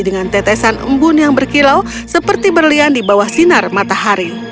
dengan tetesan embun yang berkilau seperti berlian di bawah sinar matahari